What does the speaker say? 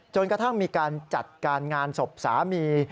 จนกระทั่งมีการจัดการงานศพสามี